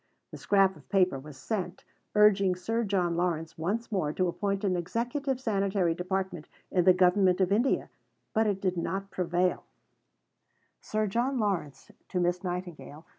The scrap of paper was sent, urging Sir John Lawrence once more to appoint an Executive Sanitary Department in the Government of India, but it did not prevail: (_Sir John Lawrence to Miss Nightingale.